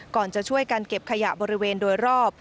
ก่อนจะช่วยกันเก็บขยะบริเวณโดยรอบ